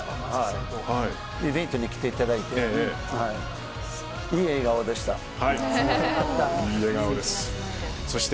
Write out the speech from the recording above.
イベントに来ていただいていい笑顔でした。